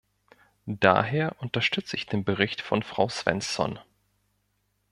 Daher unterstütze ich den Bericht von Frau Svensson.